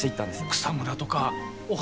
草むらとかお花畑とか。